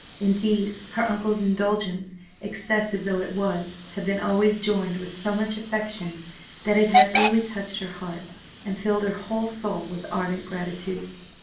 Indeed, her uncle's indulgence, excessive though it was, had been always joined with so much affection, that it had early touched her heart, and filled her whole soul with ardent gratitude.